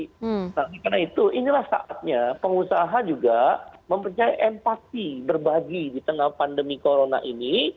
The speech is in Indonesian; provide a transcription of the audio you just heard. karena itu inilah saatnya pengusaha juga mempercaya empati berbagi di tengah pandemi corona ini